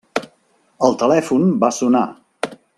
El telèfon va sonar.